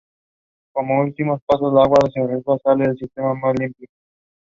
Hema Malini played the role of queen "Padmavati".